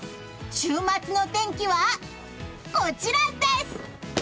週末の天気はこちらです。